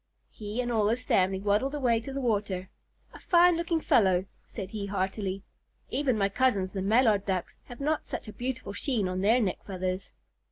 He and all of his family waddled away to the water. "A fine looking fellow," said he heartily. "Even my cousins, the Mallard Ducks, have not such a beautiful sheen on their neck feathers."